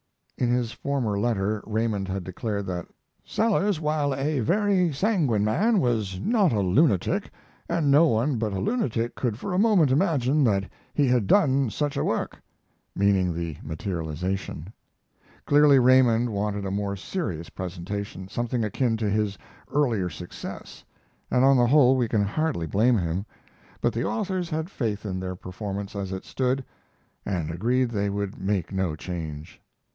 In his former letter Raymond had declared that "Sellers, while a very sanguine man, was not a lunatic, and no one but a lunatic could for a moment imagine that he had done such a work" (meaning the materialization). Clearly Raymond wanted a more serious presentation, something akin to his earlier success, and on the whole we can hardly blame him. But the authors had faith in their performance as it stood, and agreed they would make no change.